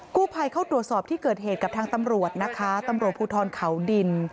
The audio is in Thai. กู้ภัยเข้าตรวจสอบที่เกิดเหตุกับทางตำรวจนะคะตำรวจภูทรเขาดิน